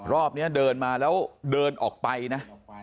รอบนี้เดินมาแล้วเดินออกไปนะ